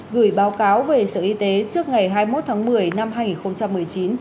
gửi báo cáo về sở y tế trước ngày hai mươi một tháng một mươi năm hai nghìn một mươi chín